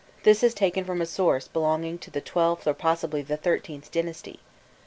This is taken from a source belonging to the XIIth or possibly the XIIIth dynasty.